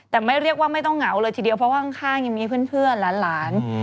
แต่ไม่เรียกว่าไม่ต้องเหงาเลยทีเดียวเพราะว่าข้างยังมีเพื่อนหลาน